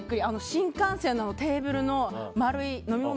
新幹線のテーブルの丸い飲み物